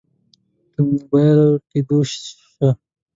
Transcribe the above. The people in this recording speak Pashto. دمو مباييل پيدو شه.